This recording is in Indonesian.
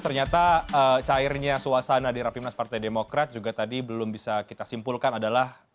ternyata cairnya suasana di rapimnas partai demokrat juga tadi belum bisa kita simpulkan adalah